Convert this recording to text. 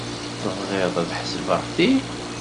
Tebɣid ad ḥesbeɣ ti?